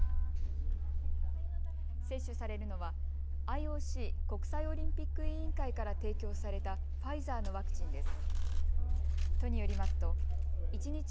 接種されるのはＩＯＣ・国際オリンピック委員会から提供されたファイザーのワクチンです。